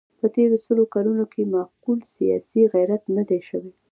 په تېرو سلو کلونو کې معقول سیاسي غیرت نه دی شوی.